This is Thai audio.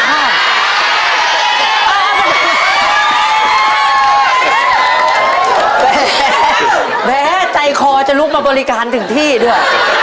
แม้ใจคอจะลุกมาบริการถึงที่ด้วย